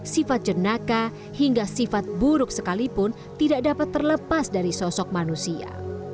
sifat jenaka hingga sifat buruk sekalipun tidak dapat terlepas dari sosok manusia